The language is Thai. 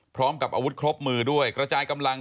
พร้อมกับอาวุธครบมือด้วยกระจายกำลัง